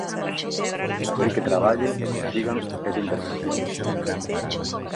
Así que traballen e consigan esa intervención.